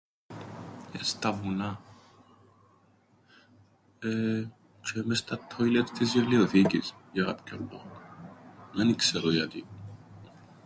Ε, στα βουνά. Εεε... τζ̆αι μες στα ττόιλετ της βιβλιοθήκης, για κάποιον λόγον. Εν ι-ξέρω γιατί.